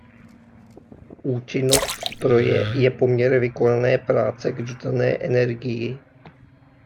Účinnost stroje je poměr vykonané práce k dodané energii.